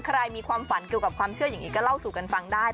มีความฝันเกี่ยวกับความเชื่ออย่างนี้ก็เล่าสู่กันฟังได้